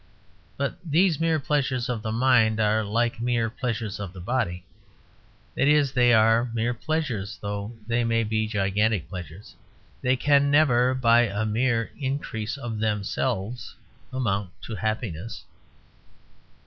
But these mere pleasures of the mind are like mere pleasures of the body. That is, they are mere pleasures, though they may be gigantic pleasures; they can never by a mere increase of themselves amount to happiness.